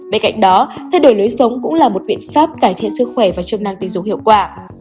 bên cạnh đó thay đổi lưới sống cũng là một biện pháp cải thiện sức khỏe và chức năng tình dục hiệu quả